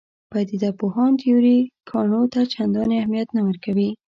پدیده پوهان تیوري ګانو ته چندانې اهمیت نه ورکوي.